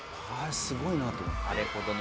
すごいなと。